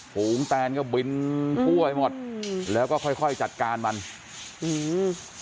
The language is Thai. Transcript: ฝูงแตนก็บินทั่วไปหมดอืมแล้วก็ค่อยค่อยจัดการมันอืม